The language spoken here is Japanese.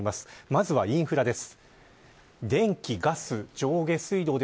まずは、インフラです。